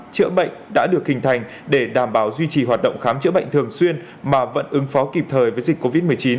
chữa bệnh đã được hình thành để đảm bảo duy trì hoạt động khám chữa bệnh thường xuyên mà vẫn ứng phó kịp thời với dịch covid một mươi chín